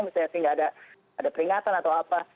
misalnya sih nggak ada peringatan atau apa